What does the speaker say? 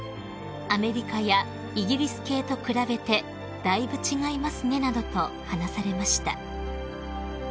「アメリカやイギリス系と比べてだいぶ違いますね」などと話されました］